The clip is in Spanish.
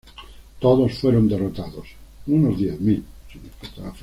Todos fueron derrotados, unos diez mil.